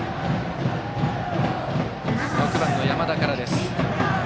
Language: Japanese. ６番の山田からです。